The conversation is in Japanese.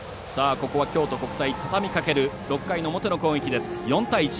ここは京都国際畳みかける６回の表の攻撃です、４対１。